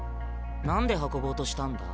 何で運ぼうとしたんだ？